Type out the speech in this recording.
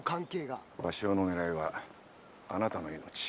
鷲男の狙いはあなたの命。